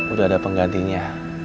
udah ada penggantinya